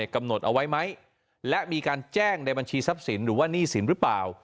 กำหนดเอาไว้ไหมและมีการแจ้งในบัญชีทรัพย์สินหรือว่าหนี้สินหรือเปล่า